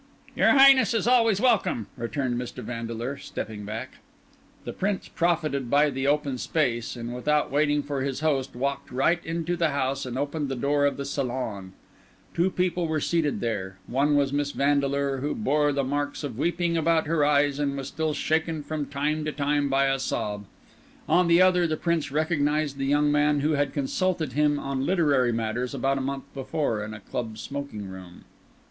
"Your Highness is always welcome," returned Mr. Vandeleur, stepping back. The Prince profited by the open space, and without waiting for his host walked right into the house and opened the door of the salon. Two people were seated there; one was Miss Vandeleur, who bore the marks of weeping about her eyes, and was still shaken from time to time by a sob; in the other the Prince recognised the young man who had consulted him on literary matters about a month before, in a club smoking room.